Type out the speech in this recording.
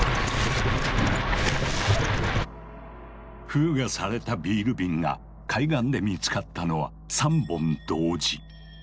封がされたビール瓶が海岸で見つかったのは３本同時。